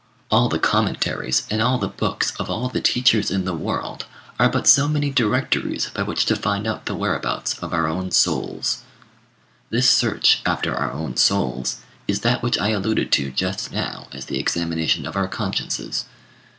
All the commentaries and all the books of all the teachers in the world are but so many directories by which to find out the whereabouts of our own souls. This search after our own souls is that which I alluded to just now as the examination of our consciences.